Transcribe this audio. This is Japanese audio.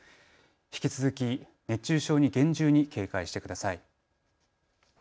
引き続き熱中症に厳重に警戒してください。